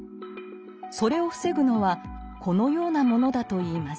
それを防ぐのはこのようなものだといいます。